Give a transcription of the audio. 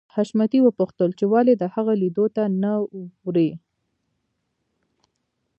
حشمتي وپوښتل چې ولې د هغه لیدو ته نه ورې